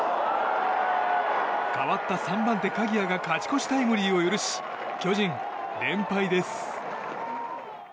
代わった３番手、鍵谷が勝ち越しタイムリーを許し巨人、連敗です。